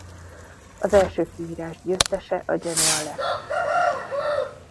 Az első kiírás győztese a Genoa lett.